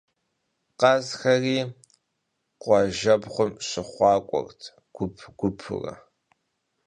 Khazxeri khuajjebğum şıxhuak'uert gup - gupuure.